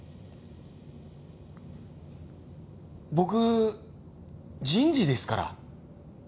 僕人事ですから。